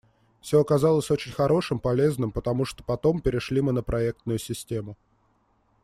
Все оказалось очень хорошим, полезным, потому что потом перешли мы на проектную систему.